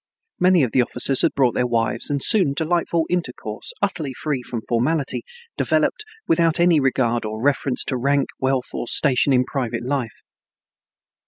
Many of the officers had brought their wives and soon delightful intercourse, utterly free from formality, developed, without any regard or reference to rank, wealth, or station in private life.